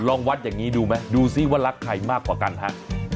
ลองวัดอย่างนี้ดูไหมดูซิว่ารักใครมากกว่ากันฮะ